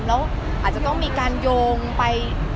แล้วอาจจะต้องมีการโยงไป